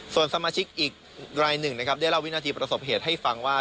ส่วนสมาชิกอีกรายหนึ่งนะครับได้เล่าวินาทีประสบเหตุให้ฟังว่า